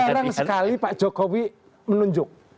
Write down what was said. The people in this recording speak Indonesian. jarang sekali pak jokowi menunjuk